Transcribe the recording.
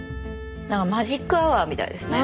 マジックアワーみたいですね。